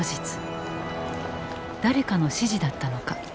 誰かの指示だったのか。